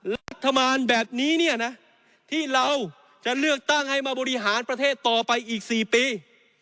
รัฐบาลแบบนี้เนี่ยนะที่เราจะเลือกตั้งให้มาบริหารประเทศต่อไปอีก๔ปี